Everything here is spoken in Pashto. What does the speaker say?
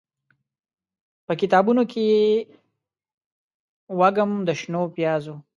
به کتابونوکې یې، وږم د شنو پیازو